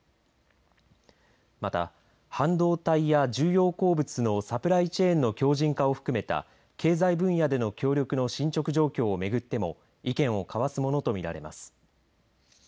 また半導体や重要鉱物のサプライチェーンの強じん化を含めた経済分野での協力の進捗状況を巡っても意見を交わすものと見られます。